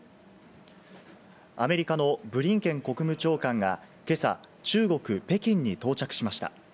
アメリカのブリンケン国務長官が今朝、中国・北京に到着しました。